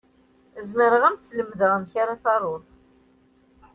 Zemreɣ ad m-slemdeɣ amek ara taruḍ.